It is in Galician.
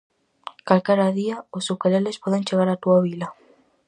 Calquera día, os ukeleles poden chegar á túa vila.